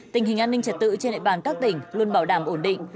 tình hình an ninh trật tự trên địa bàn các tỉnh luôn bảo đảm ổn định